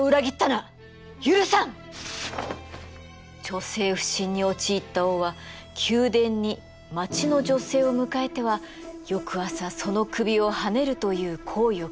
女性不信に陥った王は宮殿に町の女性を迎えては翌朝その首をはねるという行為を繰り返していました。